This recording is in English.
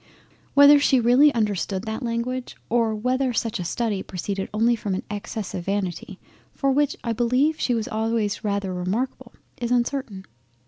Whether she really understood that language or whether such a study proceeded only from an excess of vanity for which I beleive she was always rather remarkable, is uncertain.